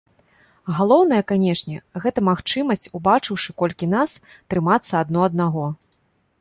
Галоўнае, канечне, гэта магчымасць, убачыўшы, колькі нас, трымацца адно аднаго.